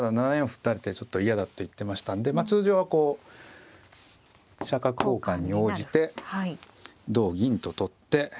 歩打たれてちょっと嫌だと言ってましたんで通常はこう飛車角交換に応じて同銀と取って。